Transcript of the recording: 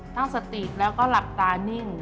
ตั้งสติแล้วก็หลับตานิ่ง